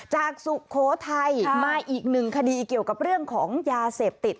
สุโขทัยมาอีกหนึ่งคดีเกี่ยวกับเรื่องของยาเสพติด